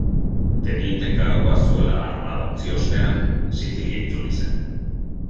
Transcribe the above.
Teniente kargua zuela armada utzi ostean, Sizilia itzuli zen.